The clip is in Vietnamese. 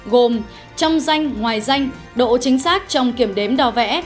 gồm trong danh ngoài danh độ chính xác trong kiểm đếm đo vẽ